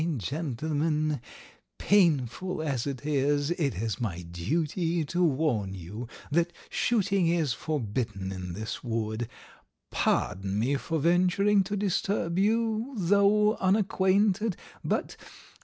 . gentlemen, painful as it is, it is my duty to warn you that shooting is forbidden in this wood. Pardon me for venturing to disturb you, though unacquainted, but